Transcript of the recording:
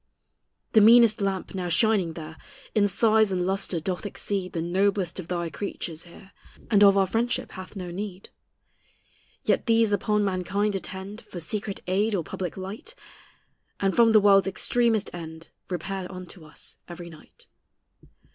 The meanest lamp now shining there In size and lustre doth exceed The noblest of thy creatures here, And of our friendship hath no need. Yet these upon mankind attend For secret aid or public light; And from the world's extremest end Repair unto us every night.